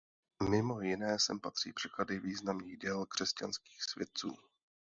Mimo jiné sem patří překlady významných děl křesťanských světců.